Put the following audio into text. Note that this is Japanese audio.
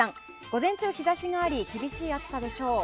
午前中日差しがあり厳しい暑さでしょう。